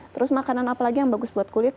terus makanan apalagi yang bagus buat kulit